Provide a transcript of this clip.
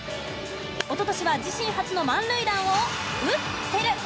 おととしは自身初の満塁弾を打っテル。